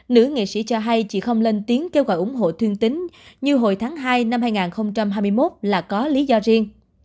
nữ nghệ sĩ cho hay chị không lên tiếng kêu gọi ủng hộ thương tính như hồi tháng hai năm hai nghìn hai mươi một là có lý do riêng